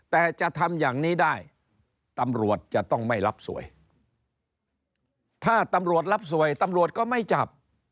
แต่จะทำอย่างนี้ได้ตำรวจจะต้องไม่รับสวยถ้าตำรวจรับสวยตำรวจก็ไม่จับ